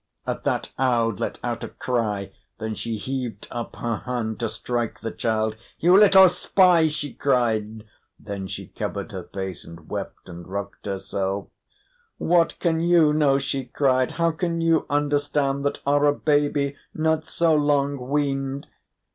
At that Aud let out a cry. Then she heaved up her hand to strike the child. "You little spy!" she cried. Then she covered her face, and wept, and rocked herself. "What can you know?" she cried. "How can you understand, that are a baby, not so long weaned?